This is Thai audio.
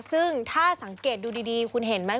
ซึ่งถ้าสังเกตดูดีคุณเห็นไหม